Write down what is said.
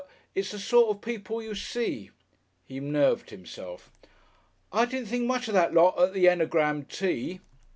It's the sort of people you see." He nerved himself. "I didn't think much of that lot at the Enegram Tea."